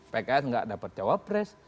pks gak dapat jawab pres